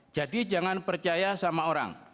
jadi jangan percaya sama orang